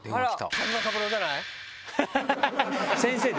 北島三郎じゃない？